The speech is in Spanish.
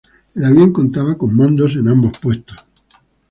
El avión contaba con mandos en ambos puestos.